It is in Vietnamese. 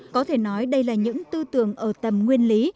có thể nói đây là những tư tưởng ở tầm nguyên lý